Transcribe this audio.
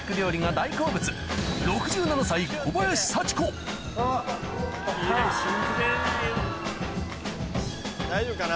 大丈夫かな？